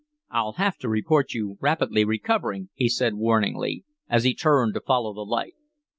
"I'll have to report you rapidly recovering," he said warningly, as he turned to follow the light.